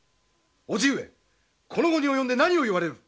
おじ上この期に及んで何を言われる！